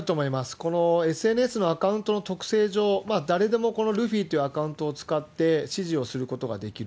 このＳＮＳのアカウントの特性上、誰でもこのルフィというアカウントを使って指示をすることができる。